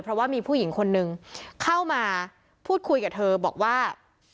เพราะว่ามีผู้หญิงคนนึงเข้ามาพูดคุยกับเธอบอกว่า